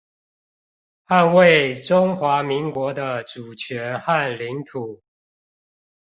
捍衛中華民國的主權和領土